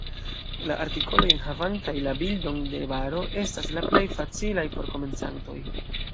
La artikoloj enhavantaj la bildon de baro estas la plej facilaj por komencantoj.